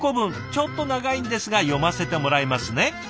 ちょっと長いんですが読ませてもらいますね。